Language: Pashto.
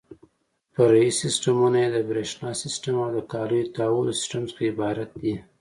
فرعي سیسټمونه یې د برېښنا سیسټم او د کالیو تاوولو سیسټم څخه عبارت دي.